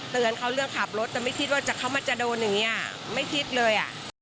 เตือนเขาเรื่องขับรถแต่ไม่คิดว่าเขามาจะโดนอย่างนี้ไม่คิดเลยอ่ะ